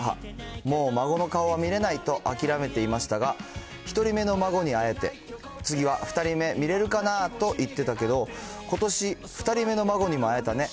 もう孫の顔は見れないと諦めていましたが、１人目の孫に会えて、次は２人目見れるかなと言ってたけど、ことし２人目の孫にも会えたね。